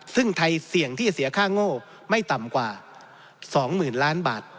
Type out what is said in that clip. ซึ่งไทยเสี่ยงที่จะเสียค่าโง่ไม่ต่ำกว่า๒๐๐๐ล้านบาท